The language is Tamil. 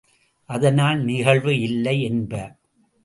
அதனால் நிகழ்வு இல்லை என்ப.